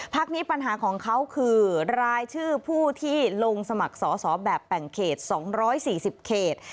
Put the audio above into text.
พักนี้ปัญหาของเขาคือรายชื่อผู้ที่ลงสมัครสอสอแบบแบ่งเขต๒๔๐เขต